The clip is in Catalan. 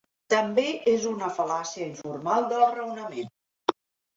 També és una fal·làcia informal del raonament.